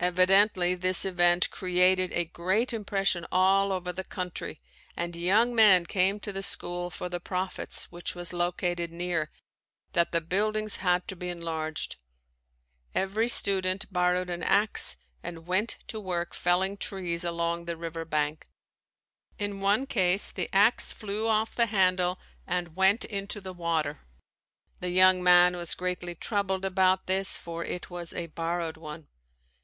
Evidently this event created a great impression all over the country and young men came to the school for the prophets which was located near, that the buildings had to be enlarged. Every student borrowed an ax and went to work felling trees along the river bank. In one case the ax flew off the handle and went into the water. The young man was greatly troubled about this for it was a borrowed one.